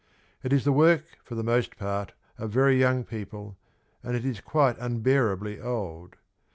It is the work for the most part of very young people, and it is quite unbearably old.